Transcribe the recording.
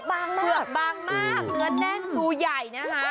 บางมากบางมากเหนือนแน่นลูกใหญ่นะฮะ